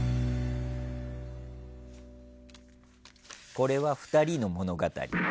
これは２人の物語。